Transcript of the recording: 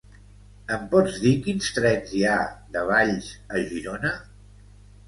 Em pots dir quins trens hi ha de Valls a Girona?